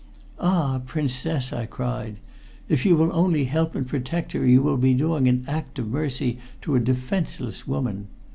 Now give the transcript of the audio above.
"Ah, Princess!" I cried. "If you will only help and protect her, you will be doing an act of mercy to a defenseless woman.